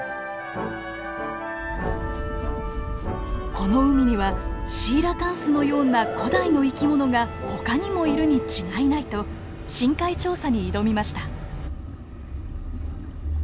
この海にはシーラカンスのような古代の生き物がほかにもいるに違いないと深海調査に挑みました。